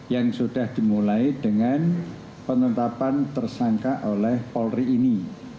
yang sudah dimulai dengan penetapan tersangka oleh polri ini